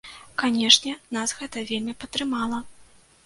Канешне, нас гэта вельмі падтрымала.